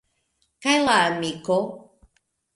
Kaj la amiko!